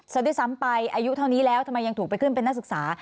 ซะด้วยซ้ำไปอายุเท่านี้แล้วทำไมยังถูกไปขึ้นเป็นนักศึกษา